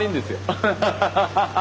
アハハハハハハ。